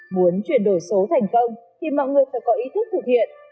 muốn chuyển đổi số thành công thì mọi người phải có ý thức thực hiện